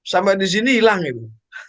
sampai disini hilang itu